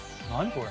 これ。